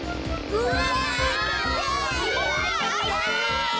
うわ。